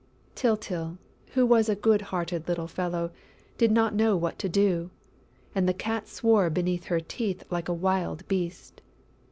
Tyltyl, who was a good hearted little fellow, did not know what to do; and the Cat swore between her teeth like a wild beast.